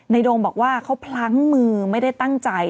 โดมบอกว่าเขาพลั้งมือไม่ได้ตั้งใจ